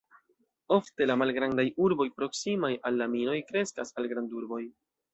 Ofte la malgrandaj urboj proksimaj al la minoj kreskas al grandurboj.